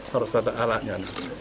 harus ada alatnya